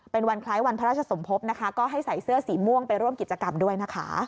เป็นวันคล้ายวันพระราชสมภพนะคะก็ให้ใส่เสื้อสีม่วงไปร่วมกิจกรรมด้วยนะคะ